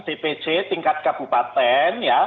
dpc tingkat kabupaten